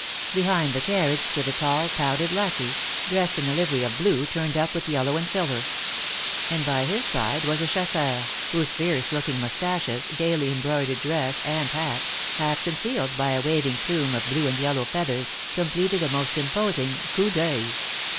Behind the carriage stood a tall powdered lacquey, dressed in a livery of blue turned up with yellow and silver; and by his side was a chasseur, whose fierce looking moustaches, gaily embroidered dress and hat, half concealed by a waving plume of blue and yellow feathers, completed a most imposing coup d'oeil.